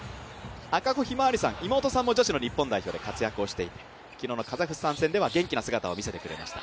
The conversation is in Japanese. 赤穂ひまわりさん、妹さんも女子の日本代表で活躍をしていて昨日のカザフスタン戦では元気な姿を見せてくれました。